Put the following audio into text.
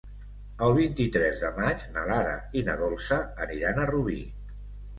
El vint-i-tres de maig na Lara i na Dolça aniran a Rubí.